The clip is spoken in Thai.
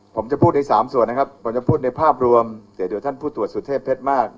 ผมจะพูดในสามส่วนนะครับผมจะพูดในภาพรวมเดี๋ยวท่านผู้ตรวจสุเทพเพชรมาก